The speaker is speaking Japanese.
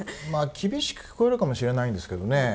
厳しく聞こえるかもしれないんですけどね。